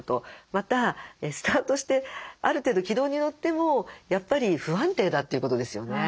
またスタートしてある程度軌道に乗ってもやっぱり不安定だということですよね。